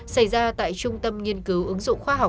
xảy ra tại trung tâm nghiên cứu ứng dụng khoa học